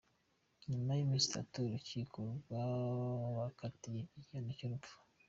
Nyuma y’iminsi itatu, urukiko rwabakatiye igihano cy’urupfu.